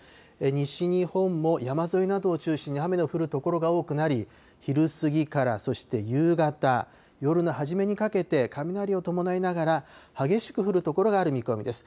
西日本も山沿いなどを中心に雨の降る所が多くなり、昼過ぎから、そして夕方、夜の初めにかけて、雷を伴いながら、激しく降る所がある見込みです。